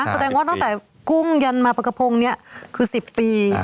แสดงว่าตั้งแต่กุ้งยันมาปลากระพงเนี่ยคือ๑๐ปี